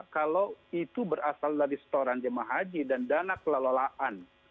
kalau itu berasal dari setoran jemaah haji dan dana kelolaan